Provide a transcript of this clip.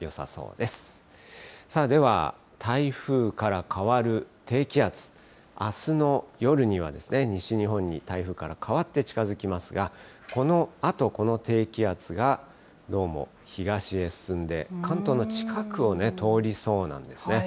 では、台風から変わる低気圧、あすの夜には、西日本に台風から変わって近づきますが、このあと、この低気圧がどうも東へ進んで、関東の近くを通りそうなんですね。